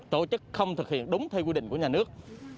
tổ chức không thực hiện đúng theo quy định của nhà nước